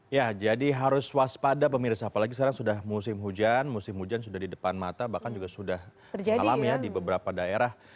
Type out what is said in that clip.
ya jadi harus waspada pemirsa apalagi sekarang sudah musim hujan musim hujan sudah di depan mata bahkan juga sudah alam ya di beberapa daerah